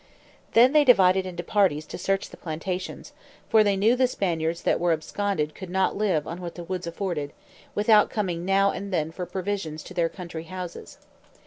Then they divided into parties to search the plantations; for they knew the Spaniards that were absconded could not live on what the woods afforded, without coming now and then for provisions to their country houses.